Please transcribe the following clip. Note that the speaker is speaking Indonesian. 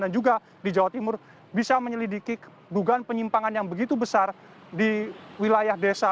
dan juga di jawa timur bisa menyelidiki dugaan penyimpangan yang begitu besar di wilayah desa